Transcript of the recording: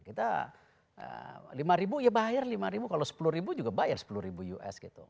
kita lima ribu ya bayar lima ribu kalau sepuluh ribu juga bayar sepuluh ribu us gitu